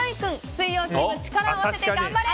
水曜日も力を合わせて頑張れ！